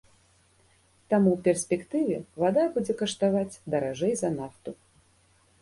Таму ў перспектыве вада будзе каштаваць даражэй за нафту.